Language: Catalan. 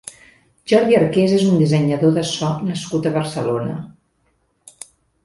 Jordi Arqués és un dissenyador de so nascut a Barcelona.